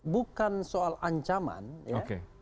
bukan soal ancaman ya